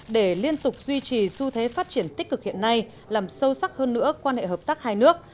để liên tục duy trì xu thế phát triển tích cực hiện nay làm sâu sắc hơn nữa quan hệ hợp tác hai nước